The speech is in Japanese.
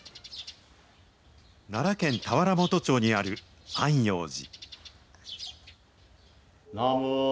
奈良県田原本町にある安養寺。